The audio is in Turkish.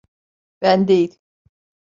Ben değil.